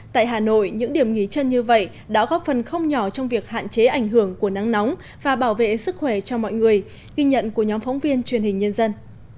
tại hà nội những điểm nghỉ chân như vậy đã góp phần không nhỏ trong việc hạn chế ảnh hưởng của nắng nóng và bảo vệ sức khỏe cho mọi người ghi nhận của nhóm phóng viên truyền hình nhân dân